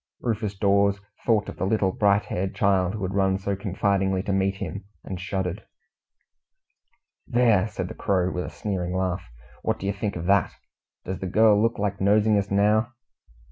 Rufus Dawes thought of the little bright haired child who had run so confidingly to meet him, and shuddered. "There!" said the Crow, with a sneering laugh, "what do you think of that? Does the girl look like nosing us now?"